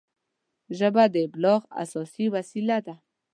ژبه د ابلاغ اساسي وسیله ده